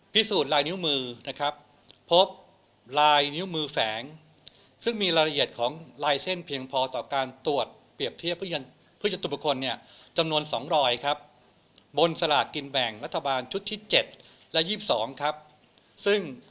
พิสูจน์ลายนิ้วมือนะครับพบลายนิ้วมือแฝงซึ่งมีรายละเอียดของลายเส้นเพียงพอต่อการตรวจเปรียบเทียบเพื่อยันตุปกรณ์เนี่ยจำนวน๒๐๐ครับบนสลากกินแบ่ง